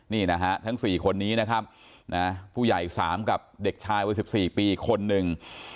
นี่นะฮะทั้ง๔คนนี้นะครับผู้ใหญ่๓กับเด็กชายวัย๑๔ปีคนหนึ่ง